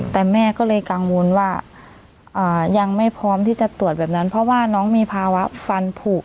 แต่แม่ก็เลยกังวลว่ายังไม่พร้อมที่จะตรวจแบบนั้นเพราะว่าน้องมีภาวะฟันผูก